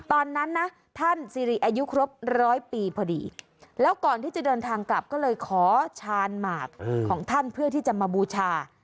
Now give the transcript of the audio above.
ตอนนั้นนะท่านสิริอายุครบร้อยปีพอดีแล้วก่อนที่จะเดินทางกลับก็เลยขอชาญหมากของท่านเพื่อที่จะมาบูชา